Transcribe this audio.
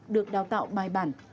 được đào tạo bài bản